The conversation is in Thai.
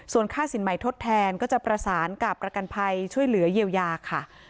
ส่วนค่าสินใหม่ทดแทนก็จะประสานกับประกันภัยช่วยเหลือเยียวยาค่ะ